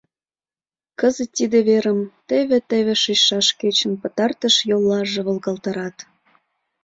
Кызыт тиде верым теве-теве шичшаш кечын пытартыш йоллаже волгалтарат.